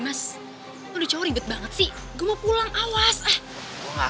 kalo lu pikir segampang itu buat ngindarin gue lu salah din